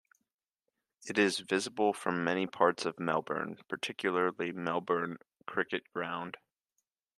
It is visible from many parts of Melbourne, particularly the Melbourne Cricket Ground.